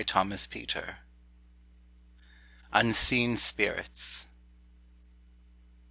_ THOMAS NOEL. UNSEEN SPIRITS.